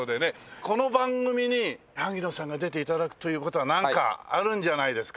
この番組に萩野さんが出て頂くという事はなんかあるんじゃないですか？